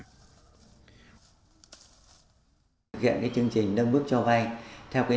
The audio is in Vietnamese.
thực hiện chương trình đăng mức cho vai